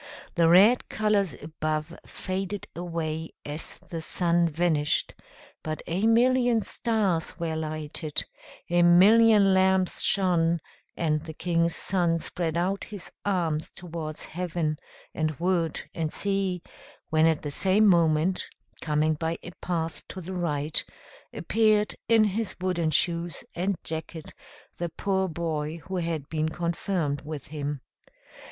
The red colors above faded away as the sun vanished, but a million stars were lighted, a million lamps shone; and the King's Son spread out his arms towards heaven, and wood, and sea; when at the same moment, coming by a path to the right, appeared, in his wooden shoes and jacket, the poor boy who had been confirmed with him.